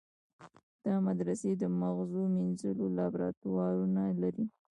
دا مدرسې د مغزو مینځلو لابراتوارونه لري.